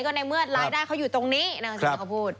ก็ในเมื่อรายได้เขาอยู่ตรงนี้นั่นคือสิ่งที่เขาพูด